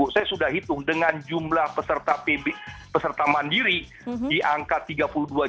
saya sudah hitung dengan jumlah peserta mandiri di angka tiga puluh dua juta